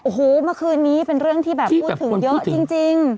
โอ้โหเมื่อคืนนี้เป็นเรื่องที่แบบพูดถึงเยอะจริง